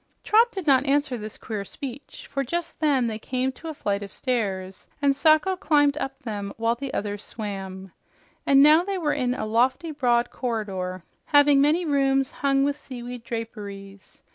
Trot did not answer this queer speech, for just then they came to a flight of stairs, and Sacho climbed up them while the others swam. And now they were in a lofty, broad corridor having many doors hung with seaweed draperies.